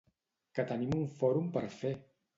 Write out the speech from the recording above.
Que tenim un Fòrum per fer!